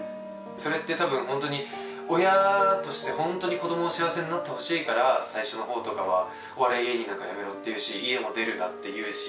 それって多分ホントに親としてホントに子供に幸せになってほしいから最初のほうとかはお笑い芸人なんかやめろって言うし家も出るなって言うし。